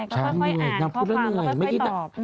ใช่ก็ค่อยอ่านข้อความแล้วก็ค่อยตอบ